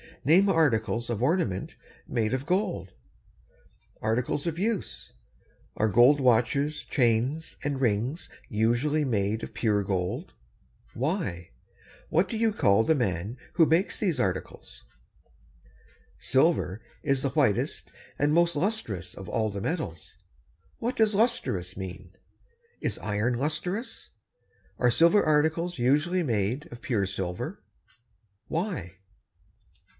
Name articles of ornament made of gold. Articles of use. Are gold watches, chains, and rings usually made of pure gold? Why? What do you call the man who makes these articles? [Illustration: CASTING IRON FROM THE ORE.] Silver is the whitest and most lustrous of all the metals. What does "lustrous" mean? Is iron lustrous? Are silver articles usually made of pure silver? Why?